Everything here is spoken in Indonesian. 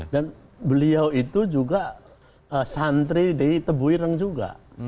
dan beliau itu juga santri di tebuirang juga